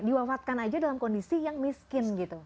diwafatkan aja dalam kondisi yang miskin gitu